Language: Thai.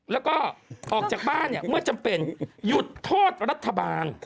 แล้วก็ออกจากบ้านเนี่ยเมื่อจำเป็นหยุดโทษรัฐบาล